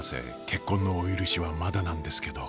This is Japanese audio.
結婚のお許しはまだなんですけど！